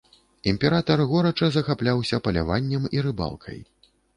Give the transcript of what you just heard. Імператар горача захапляўся паляваннем і рыбалкай.